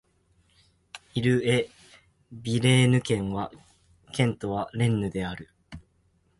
イル＝エ＝ヴィレーヌ県の県都はレンヌである